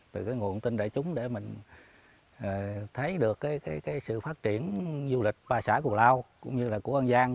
từ cái nguồn tin đại chúng để mình thấy được cái sự phát triển du lịch ba xã cù lao cũng như là của an giang